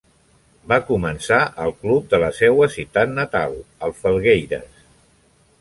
Va començar al club de la seua ciutat natal, el Felgueiras.